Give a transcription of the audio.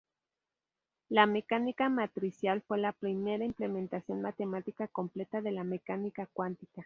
La mecánica matricial fue la primera implementación matemática completa de la mecánica cuántica.